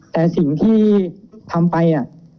แต่สิ่งที่ทำไป